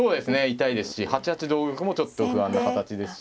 痛いですし８八同玉もちょっと不安な形ですし。